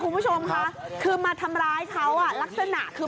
คุณผู้ชมค่ะคือมาทำร้ายเขาอ่ะลักษณะคือ